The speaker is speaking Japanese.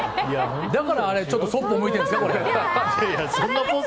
だからそっぽ向いてるんですね、これ。